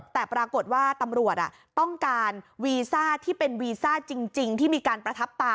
แต่ปรากฏว่าตำรวจต้องการวีซ่าที่เป็นวีซ่าจริงที่มีการประทับตา